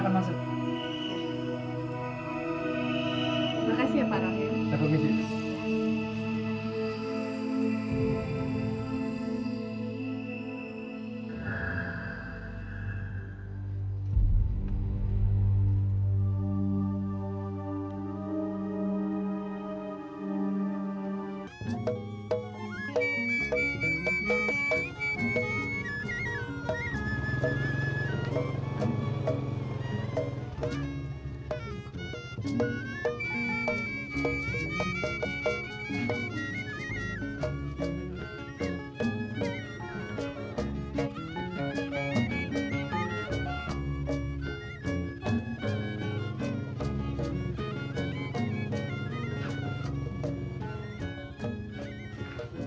nah ini rumahnya bu